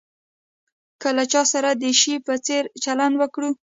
که له چا سره د شي په څېر چلند وکړو.